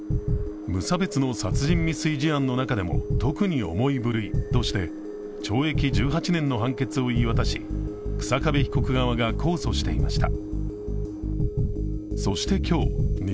無差別の殺人未遂事案の中でも特に重い部類として懲役１８年の判決を言い渡し日下部被告側が控訴していました。